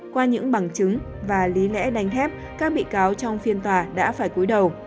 qua những bằng chứng và lý lẽ đánh thép các bị cáo trong phiên tòa đã phải cuối đầu